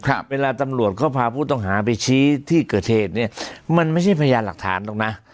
ครับเวลาตำรวจเขาพาผู้ต้องหาไปชี้ที่เกิดเหตุเนี้ยมันไม่ใช่พยานหลักฐานหรอกนะ